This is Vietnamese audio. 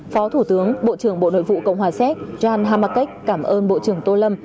phó thủ tướng bộ trưởng bộ nội vụ cộng hòa sát jan hamakek cảm ơn bộ trưởng tô lâm